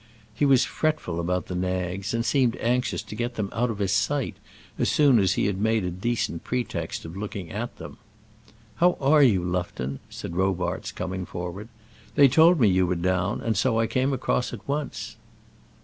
He was fretful about the nags, and seemed anxious to get them out of his sight as soon as he had made a decent pretext of looking at them. "How are you, Lufton?" said Robarts, coming forward. "They told me that you were down, and so I came across at once."